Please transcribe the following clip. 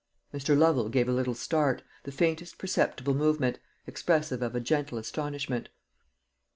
Mr. Lovel gave a little start, the faintest perceptible movement, expressive of a gentle astonishment.